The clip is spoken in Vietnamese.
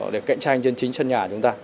để cạnh tranh trên chính chân nhà chúng ta